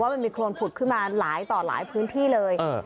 มันมีโครนผุดขึ้นมาหลายต่อหลายพื้นที่เลย